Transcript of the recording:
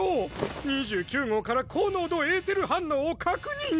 ２９号から高濃度エーテル反応を確認！